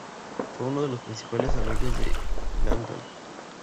Fue uno de los principales amigos de Gandalf.